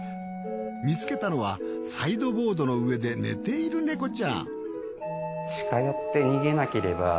見つけたのはサイドボードの上で寝ているネコちゃん。